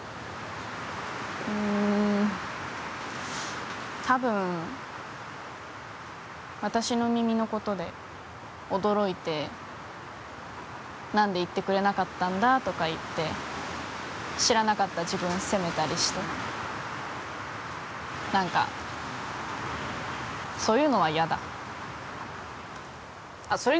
うんたぶん私の耳のことで驚いて何で言ってくれなかったんだとか言って知らなかった自分を責めたりしてなんかそういうのは嫌だあっ